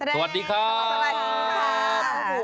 สวัสดีครับ